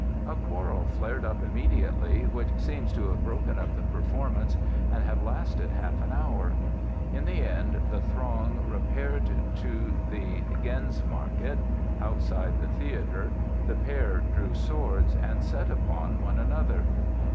A quarrel flared up immediately, which seems to have broken up the performance and have lasted half an hour. In the end the throng repaired to the Gänsemarkt, outside the theatre, the pair drew swords and set upon one another.